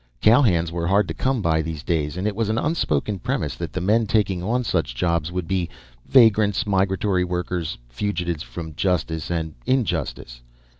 Cowhands were hard to come by these days, and it was an unspoken premise that the men taking on such jobs would be vagrants, migratory workers, fugitives from justice and injustice.